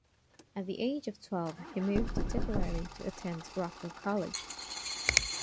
At the age of twelve, he moved to Tipperary to attend Rockwell College.